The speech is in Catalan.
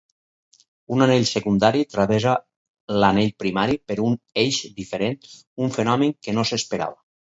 Un anell secundari travessa l'anell primari per un eix diferent, un fenomen que no s'esperava.